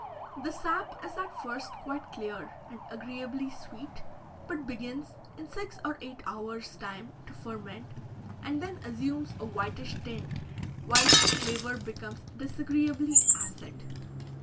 The sap is at first quite clear, and agreeably sweet, but begins, in six or eight hours' time, to ferment, and then assumes a whitish tint, while its flavour becomes disagreeably acid.